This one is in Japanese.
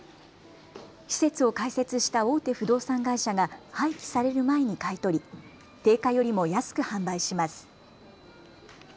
施設を開設した大手不動産会社が廃棄される前に買い取り定価よりも安く販売します。